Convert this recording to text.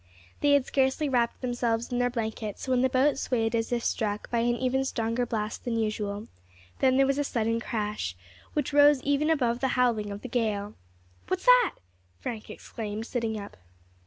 They had scarcely wrapped themselves in their blankets when the boat swayed as if struck by an even stronger blast than usual; then there was a sudden crash, which rose even above the howling of the gale. "What's that?" Frank exclaimed, sitting up.